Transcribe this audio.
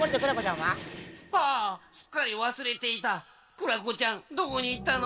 クラコちゃんどこにいったの？